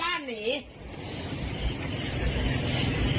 มีคนอยู่ไหมครับ